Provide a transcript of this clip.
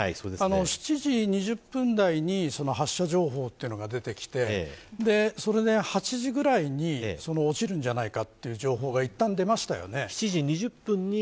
７時２０分台に発射情報というのが出てきてそれで８時ぐらいに落ちるんじゃないかという情報がいったん出てましてね。